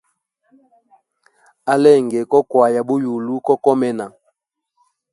Alenge koukwaya buyulu ko komena.